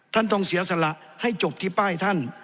ท่านต้องเสียสละให้จบที่ป้ายท่าน